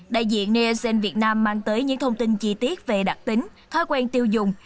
đại diện nielsen việt nam mang tới những thông tin chi tiết về đặc tính thói quen tiêu dùng